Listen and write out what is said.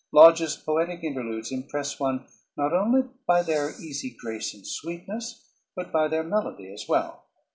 Lodge's poetic interludes impress one not only by their easy grace and sweetness, but by their melody as well.